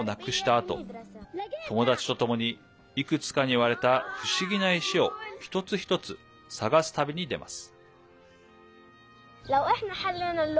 あと友達と共にいくつかに割れた不思議な石を一つ一つ探す旅に出ます。